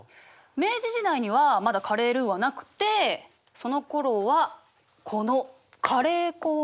明治時代にはまだカレールーはなくてそのころはこのカレー粉をね使って料理してたの。